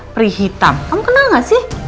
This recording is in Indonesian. perihitam kamu kenal gak sih